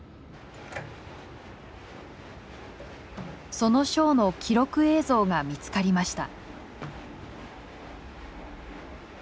そのショーの記録映像が見つかりました。